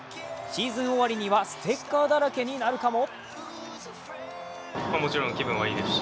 シーズン終わりにはステッカーだらけになるかも？